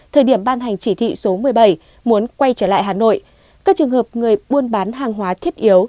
thời điểm ban hành chỉ thị số một mươi bảy muốn quay trở lại hà nội các trường hợp người buôn bán hàng hóa thiết yếu